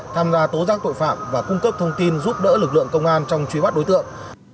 tham gia tố giác tội phạm và cung cấp thông tin giúp đỡ lực lượng công an trong truy bắt đối tượng